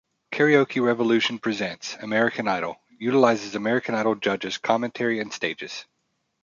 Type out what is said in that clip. "Karaoke Revolution Presents: American Idol" utilizes American Idol judges, commentary, and stages.